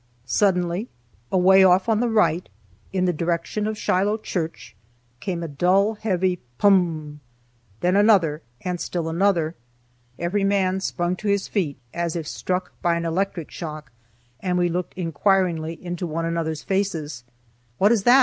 Suddenly, away off on the right, in the direction of Shiloh church, came a dull, heavy "Pum!" then another, and still another. Every man sprung to his feet as if struck by an electric shock, and we looked inquiringly into one another's faces. "What is that?"